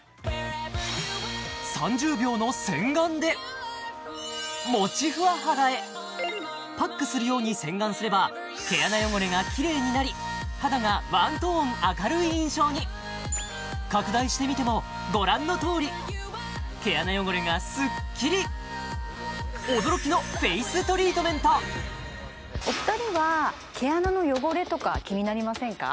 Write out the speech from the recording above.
３０秒の洗顔でもちふわ肌へパックするように洗顔すれば毛穴汚れがキレイになり肌がワントーン明るい印象に拡大してみてもご覧のとおり毛穴汚れがスッキリ驚きのフェイストリートメントお二人は毛穴の汚れとか気になりませんか？